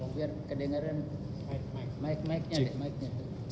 biar kedengaran mic mic nya deh